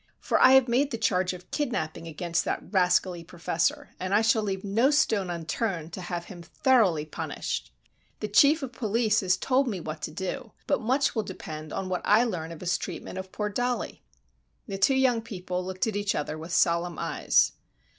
"For I have made the charge of kidnapping against that rascally professor, and I shall leave no stone unturned to have him thoroughly punished. The Chief of Police has told me what to do, but much will depend upon what I learn of his treatment of poor Dollie." The two young people looked at each other with solemn eyes.